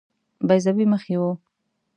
بیضوي مخ یې وو.